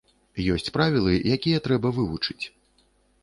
Ёсць правілы, якія трэба вывучыць.